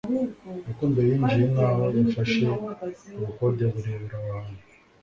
Rukundo yinjiye nkaho yafashe ubukode burebure aho hantu